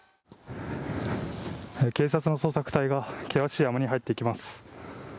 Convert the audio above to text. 警察の捜索隊が険しい山に入っていきます。